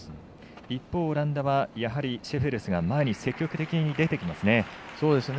一方、オランダはやはりシェフェルスが前に積極的に出ていますね。